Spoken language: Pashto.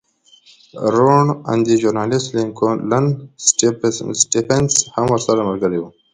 روڼ اندی ژورنالېست لینکولن سټېفنس هم ورسره ملګری و